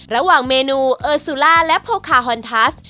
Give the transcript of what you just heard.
ระหว่างเมนูเออร์ซูล่าและโพคาฮอนทัส